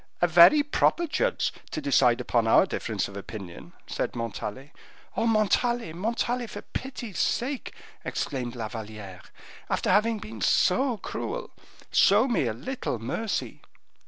"A very proper judge to decide upon our difference of opinion," said Montalais. "Oh! Montalais, Montalais, for pity's sake," exclaimed La Valliere, "after having been so cruel, show me a little mercy."